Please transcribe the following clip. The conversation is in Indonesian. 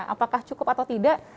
apakah cukup atau tidak